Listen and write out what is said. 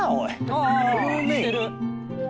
あしてる。